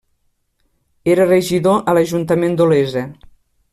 Era regidor a l'Ajuntament d'Olesa.